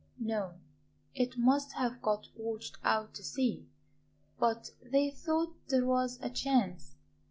"No; it must have got washed out to sea; but they thought there was a chance.